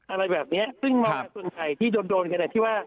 อะไรแบบนี้ซึ่งมากับส่วนใหญ่ที่โดนคือ